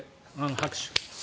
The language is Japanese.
拍手。